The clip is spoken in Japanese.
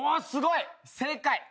すごい。正解。